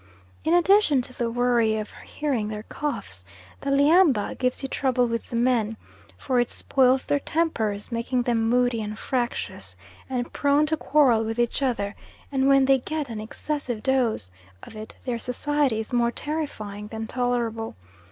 In addition to the worry of hearing their coughs, the lhiamba gives you trouble with the men, for it spoils their tempers, making them moody and fractious, and prone to quarrel with each other; and when they get an excessive dose of it their society is more terrifying than tolerable.